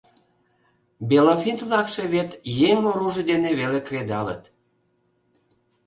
Белофинн-влакше вет еҥ оружий дене веле кредалыт.